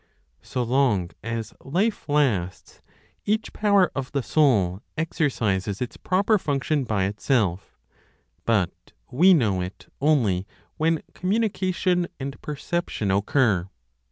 So long as life lasts, each power of the soul exercises its proper function by itself; but we know it only when communication and perception occur.